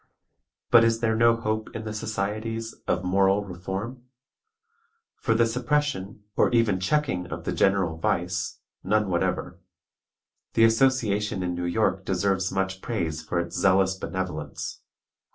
"But is there no hope in the societies of moral reform? For the suppression, or even checking of the general vice, none whatever. The association in New York deserves much praise for its zealous benevolence.